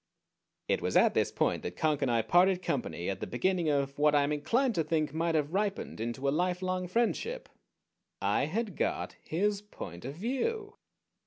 It was at this point that Conk and I parted company at the beginning of what I am inclined to think might have ripened into a lifelong friendship. _I had got his point of view!